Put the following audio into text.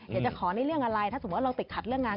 อยากจะขอในเรื่องอะไรถ้าสมมุติเราติดขัดเรื่องงาน